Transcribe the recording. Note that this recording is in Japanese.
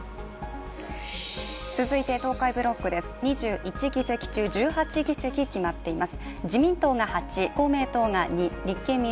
東海ブロックです、２１議席中１８議席決まっています。